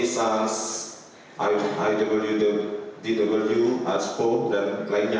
sebagai alat forensik seperti sans iwtw aspo dan lainnya